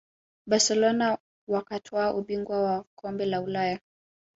barcelona wakatwaa ubingwa wa kombe la ulaya